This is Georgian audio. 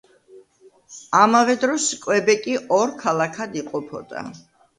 ამავე დროს, კვებეკი ორ ქალაქად იყოფოდა.